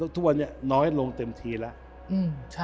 ทุกวันนี้น้อยลงเต็มทีแล้ว